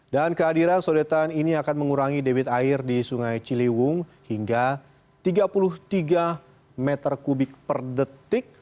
dan kehadiran sodetan ini akan mengurangi debit air di sungai ciliwung hingga tiga puluh tiga meter kubik per detik